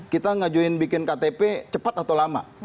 kita ngajuin bikin ktp cepat atau lama